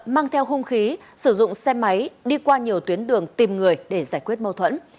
mang theo hung khí sử dụng xe máy đi qua nhiều tuyến đường tìm người để giải quyết mâu thuẫn